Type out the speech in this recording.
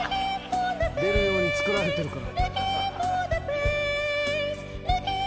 出るように造られてるから。